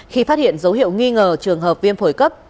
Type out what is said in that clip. khi phát hiện dấu hiệu nghi ngờ trường hợp viêm phổi cấp